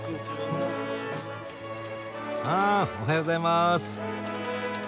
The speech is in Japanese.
あおはようございます。